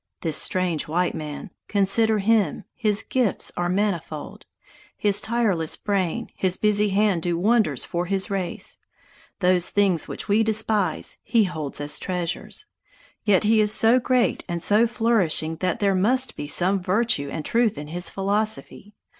This strange white man consider him, his gifts are manifold! His tireless brain, his busy hand do wonders for his race. Those things which we despise he holds as treasures; yet he is so great and so flourishing that there must be some virtue and truth in his philosophy.